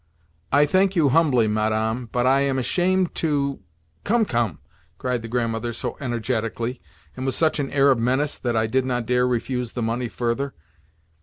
"I thank you humbly, Madame, but I am ashamed to—" "Come, come!" cried the Grandmother so energetically, and with such an air of menace, that I did not dare refuse the money further.